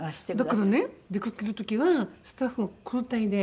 だからね出かける時はスタッフが交代で。